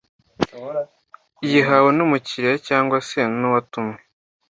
iyihawe n’umukiriya cyangwa se n’uwatumwe ‽